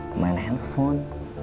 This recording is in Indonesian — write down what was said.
kamu main handphone